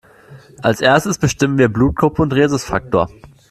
Als Erstes bestimmen wir Blutgruppe und Rhesusfaktor.